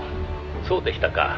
そうでしたか」